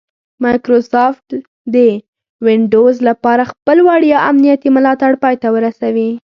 مایکروسافټ د ونډوز لپاره خپل وړیا امنیتي ملاتړ پای ته ورسوي